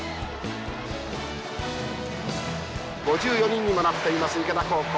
５４人にもなっています池田高校。